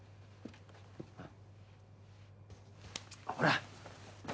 ほら